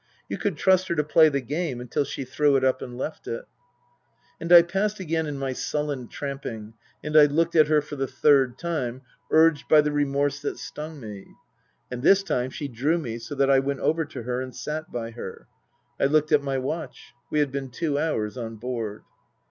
You could trust her to play the game until she threw it up and left it. And I passed again in my sullen tramping, and I looked at her for the third time, urged by the remorse that stung me. And this time she drew me so that I went over to her and sat by her. I looked at my watch, we had been two hours on board.